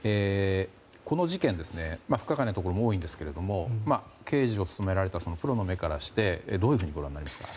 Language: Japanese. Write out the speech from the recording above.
この事件、不可解なところも多いんですが刑事を務められたプロの目からしてどうご覧になりますか？